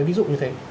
ví dụ như thế